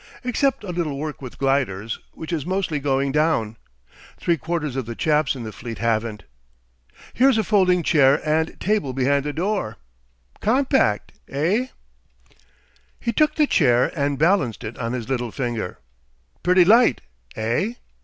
Except a little work with gliders which is mostly going down. Three quarters of the chaps in the fleet haven't. Here's a folding chair and table behind the door. Compact, eh?" He took the chair and balanced it on his little finger. "Pretty light, eh?